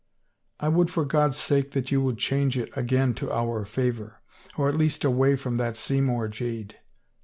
" I would for God's sake that you would change it again to our favor. Or at least away from that Seymour jade."